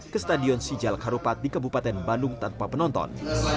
ke stadion sijal harupat di kebupaten bandung tanpa penonton